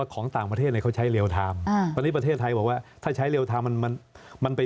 ของไทยมันหย้อนหลัง